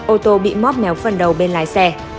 ô tô bị móc méo phần đầu bên lái xe